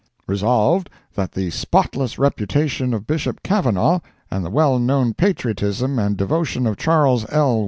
Resolved, That the spotless reputation of Bishop Kavanaugh, and the well known patriotism and devotion of Charles L.